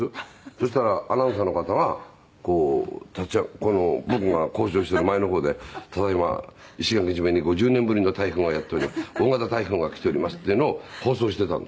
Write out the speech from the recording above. そしたらアナウンサーの方がこう僕が交渉してる前の方で「ただ今石垣島に５０年ぶりの台風が大型台風が来ております」っていうのを放送してたんです。